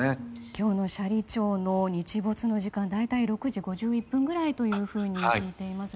今日の斜里町の日没の時間大体６時５１分ぐらいと聞いています。